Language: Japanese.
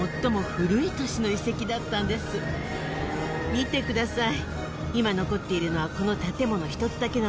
見てください。